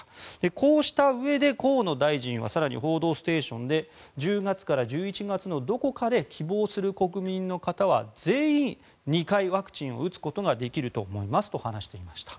こうしたうえで、河野大臣は更に「報道ステーション」で１０月から１１月のどこかで希望する国民の方は全員２回ワクチンを打つことができると思いますと話していました。